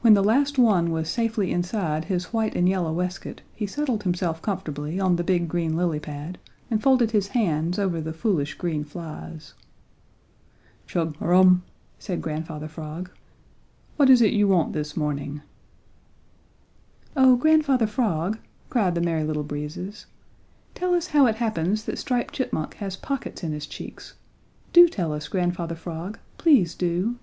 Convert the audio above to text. When the last one was safely inside his white and yellow waistcoat he settled himself comfortably on the big green lily pad and folded his hands over the foolish green flies. "Chug a rum!" said Grandfather Frog. "What is it you want this morning?" "Oh, Grandfather Frog," cried the Merry Little Breezes, "tell us how it happens that Striped Chipmunk has pockets in his cheeks. Do tell us, Grandfather Frog. Please do!"